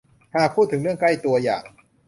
หากพูดถึงเรื่องใกล้ตัวอย่าง